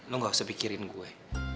lo gak usah pikirin gue